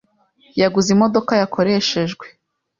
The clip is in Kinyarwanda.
Yaguze imodoka yakoreshejwe.